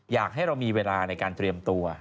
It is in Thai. อยากให้เรามีเวลาในการเตรียมตัว